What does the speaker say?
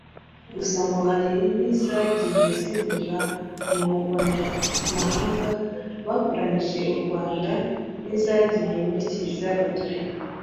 Gusa ngo hari n’izagiye ziburira mu banyamahanga bakoronije u Rwanda n’izagiye muri kiliziya Gatolika